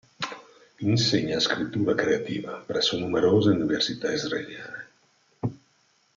Insegna scrittura creativa presso numerose università israeliane.